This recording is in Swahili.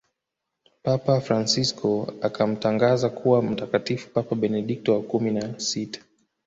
papa fransisko akamtangaza kuwa mtakatifu papa benedikto wa kumi na sita